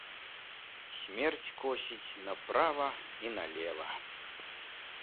Смерць косіць направа і налева.